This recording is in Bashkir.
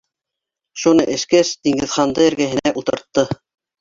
Шуны эскәс, Диңгеҙханды эргәһенә ултыртты: